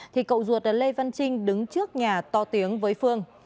thì cậu ruột là lê văn trinh đứng trước nhà to tiếng với phương